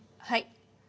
はい。